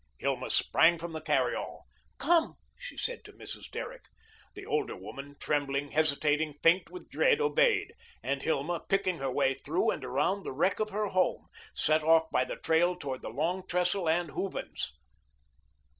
Hilma sprang from the carry all. "Come," she said to Mrs. Derrick. The older woman, trembling, hesitating, faint with dread, obeyed, and Hilma, picking her way through and around the wreck of her home, set off by the trail towards the Long Trestle and Hooven's.